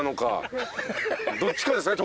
どっちかですね